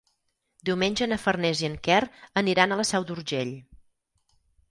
Diumenge na Farners i en Quer aniran a la Seu d'Urgell.